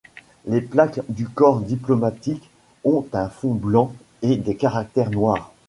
Les plaques du corps diplomatique ont un fond blanc et des caractères noirs.